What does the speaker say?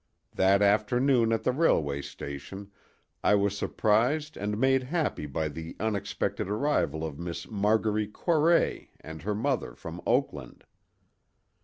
That afternoon at the railway station I was surprised and made happy by the unexpected arrival of Miss Margaret Corray and her mother, from Oakland.